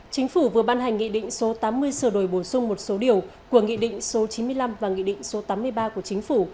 chính phủ vừa ban hành nghị định số tám mươi sửa đổi bổ sung một số điều của nghị định số chín mươi năm và nghị định số tám mươi ba của chính phủ